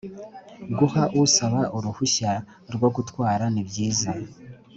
guha usaba uruhushya rwo gutwara nibyiza